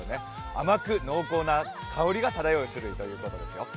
甘く濃厚な香りが漂う種類ということですよ。